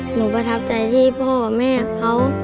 ประทับใจที่พ่อกับแม่เขา